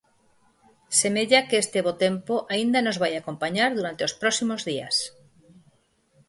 Semella que este bo tempo aínda nos vai acompañar durante os próximos días.